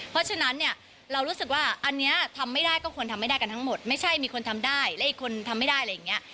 เพราะฉะนั้นเนี่ยเรารู้สึกว่าอันนี้ทำไม่ได้ก็ควรทำไม่ได้กันทั้งหมดไม่ใช่มีคนทำได้และอีกคนทำไม่ได้อะไรอย่างเงี้ย